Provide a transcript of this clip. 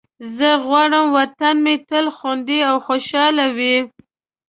زه غواړم وطن مې تل خوندي او خوشحال وي.